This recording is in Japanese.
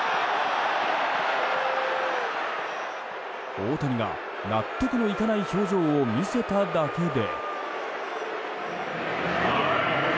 大谷が納得のいかない表情を見せただけで。